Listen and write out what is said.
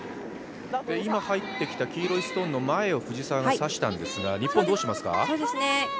今入ってきた黄色いストーンの前を藤澤を差したんですが、日本、どうしますか？